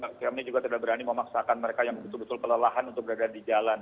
kami juga tidak berani memaksakan mereka yang betul betul pelelahan untuk berada di jalan